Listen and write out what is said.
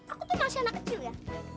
aku tuh nasi anak kecil ya